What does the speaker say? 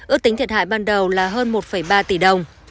ước tính thiệt hại ban đầu là hơn một ba tỷ đồng